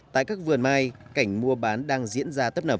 tại các vườn mai cảnh mua bán đang diễn ra tấp nập